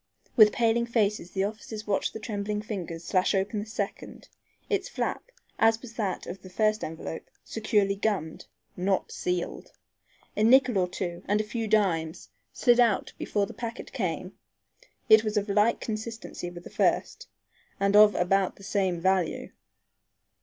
With paling faces the officers watched the trembling fingers slash open the second, its flap, as was that of the first envelope, securely gummed, not sealed. A nickel or two and a few dimes slid out before the packet came. It was of like consistency with the first and of about the same value.